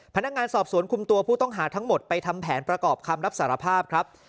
พนักงานสอบสวนคุมตัวผู้ต้องหาทั้งหมดไปทำแผนประกอบคำรับสารภาพครับ